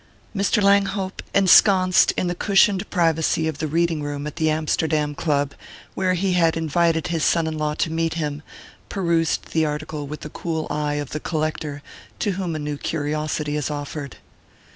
Mr. Langhope, ensconced in the cushioned privacy of the reading room at the Amsterdam Club, where he had invited his son in law to meet him, perused the article with the cool eye of the collector to whom a new curiosity is offered.